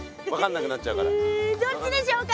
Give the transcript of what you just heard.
どっちでしょうか？